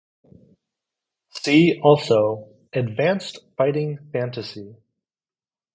See also "Advanced Fighting Fantasy".